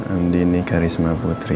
andi karisma putri